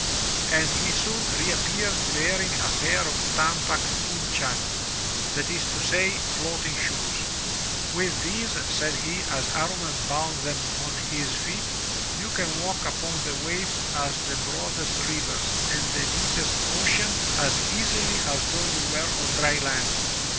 And he soon reappeared bearing a pair of tumpak cunchang — that is to say, floating shoes. "With these," said he, as Amman bound them on his feet, "you 199 MY BOOK HOUSE can walk upon the waves of the broadest rivers and the deepest ocean as easily as though you were on dry land."